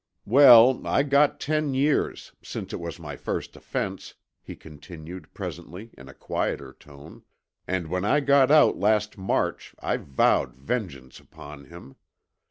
"Well, I got ten years, since it was my first offense," he continued presently in a quieter tone, "and when I got out last March I vowed vengeance upon him.